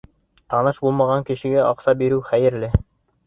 Таныш булмаған кешегә аҡса бирмәү хәйерле.